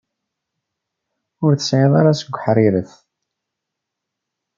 Ur teɛyiḍ ara seg uḥṛiṛet?